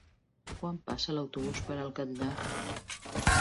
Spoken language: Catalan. Quan passa l'autobús per el Catllar?